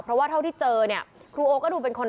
เพราะว่าเท่าที่เจอเนี่ย